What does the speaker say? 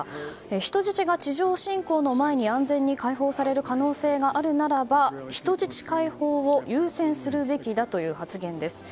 人質が地上侵攻の前に安全に解放される可能性があるならば人質解放を優先するべきだという発言です。